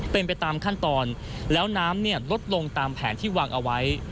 เป็นไปตามขั้นตอนแล้วน้ำลดลงตามแผนที่วางเอาไว้